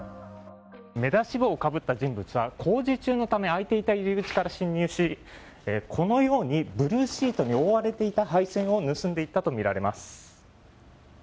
目出し帽をかぶった人物は工事中のため開いていた入り口から侵入し、このようにブルーシートに覆われていた配線を盗んでいったとみられます。